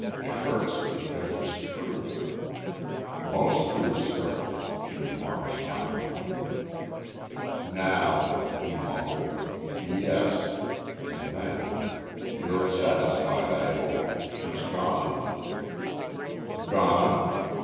It hurts because it's true." "Most truths hurt," she remarked, smilingly. "Now," he mumbled, "yes...." And then: "You're satisfied, I hope. She's gone." "Gone?"